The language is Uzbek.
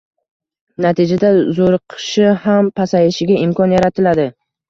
natijada zo‘riqishi ham pasayishiga imkon yaratiladi.